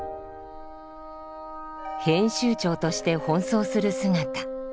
編集長として奔走する姿。